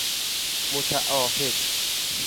متعاهد